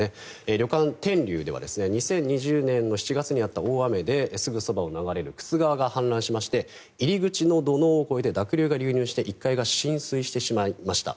旅館、天龍では２０２０年の７月にあった大雨ですぐそばを流れる玖珠川が氾濫しまして入り口の土のうを超えて濁流が流入して１階が浸水してしまいました。